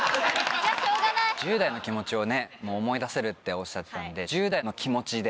１０代の気持ちを思い出せるっておっしゃってたんで１０代の気持ちで。